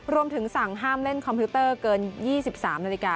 รวมถึงสั่งห้ามเล่นคอมพิวเตอร์เกิน๒๓นาฬิกา